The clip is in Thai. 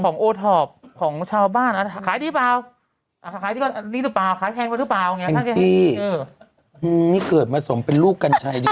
เงียบหยิบเลยอั็กตี้